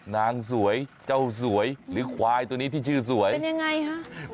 นางสวยเจ้าสวยหรือควายตัวนี้ที่ชื่อสวยเป็นยังไงฮะ